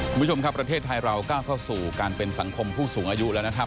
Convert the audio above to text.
คุณผู้ชมครับประเทศไทยเราก้าวเข้าสู่การเป็นสังคมผู้สูงอายุแล้วนะครับ